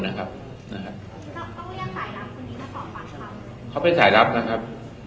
เขาเป็นสายลับนะครับ